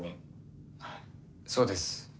はいそうです。